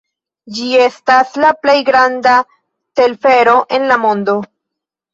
Ĝi estas la plej granda telfero en la mondo.